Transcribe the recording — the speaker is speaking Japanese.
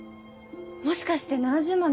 もしかして７０万